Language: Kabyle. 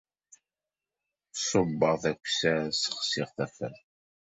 Ṣubbeɣ d akessar, ssexsiɣ tafat.